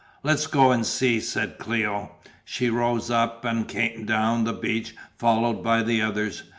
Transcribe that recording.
"Let's go and see," said Cléo. She rose up and came down the beach followed by the others.